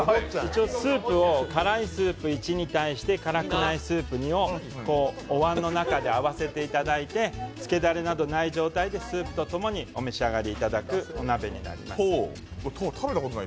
スープを辛いスープ１に対して辛くないスープをおわんの中で合わせていただいてつけだれなどない状態でスープと共にお召し上がりいただくものになります。